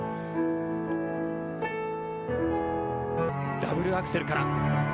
ダブルアクセルから。